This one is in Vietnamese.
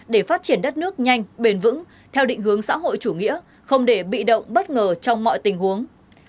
để phát triển đất nước nhanh bền vững theo định hướng xã hội chủ nghĩa không để bị động bất ngờ trong mọi tình huống